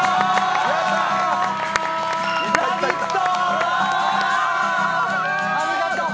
ラヴィット！！